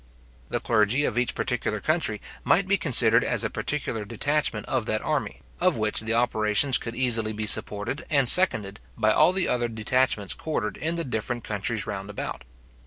The clergy of each particular country might be considered as a particular detachment of that army, of which the operations could easily be supported and seconded by all the other detachments quartered in the different countries round about.